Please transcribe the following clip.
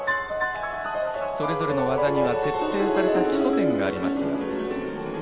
それぞれの技には設定された基礎点があります。